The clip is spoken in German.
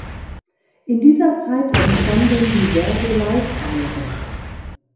In dieser Zeit entstanden diverse Live-Alben.